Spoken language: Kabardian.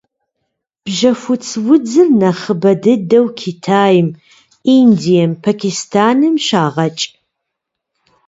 Бжьэхуц удзыр нэхъыбэ дыдэу Китайм, Индием, Пакистаным щагъэкӏ.